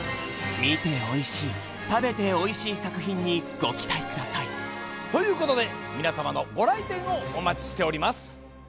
みておいしい食べておいしいさくひんにごきたいくださいということでみなさまのごらいてんをおまちしております。